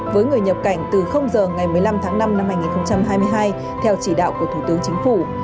với người nhập cảnh từ giờ ngày một mươi năm tháng năm năm hai nghìn hai mươi hai theo chỉ đạo của thủ tướng chính phủ